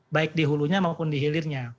baik di hulunya maupun di hilirnya